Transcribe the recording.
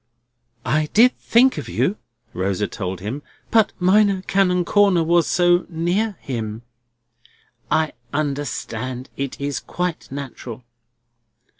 "I did think of you," Rosa told him; "but Minor Canon Corner was so near him—" "I understand. It was quite natural."